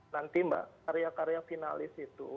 nanti mbak karya karya finalis itu